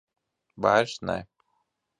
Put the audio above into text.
Vairs ne.